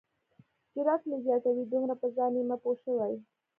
جرات مې زیاتوي دومره په ځان یمه پوه شوی.